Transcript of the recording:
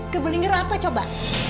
kebelingger apa coba